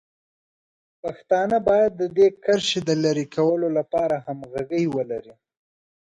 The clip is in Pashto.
پښتانه باید د دې کرښې د لرې کولو لپاره همغږي ولري.